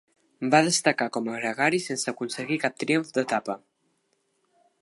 Va destacar com a gregari sense aconseguir cap triomf d'etapa.